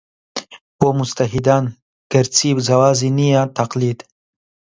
بۆ موجتەهیدان گەرچی جەوازی نییە تەقلید